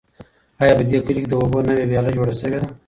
آیا په دې کلي کې د اوبو نوې ویاله جوړه شوې ده؟